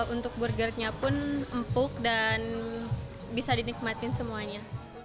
untuk burgernya pun empuk dan bisa dinikmatin semuanya